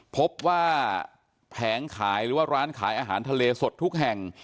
พบว่าแผงขายหรือว่าร้านขายอาหารทะเลสดทุกแห่ง